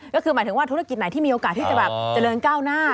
ก็คือหมายถึงว่าธุรกิจไหนที่มีโอกาสที่จะแบบเจริญก้าวหน้า